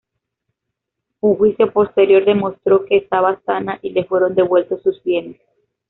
Un juicio posterior demostró que estaba sana y le fueron devueltos sus bienes.